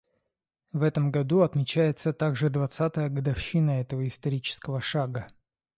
В этом году отмечается также двадцатая годовщина этого исторического шага.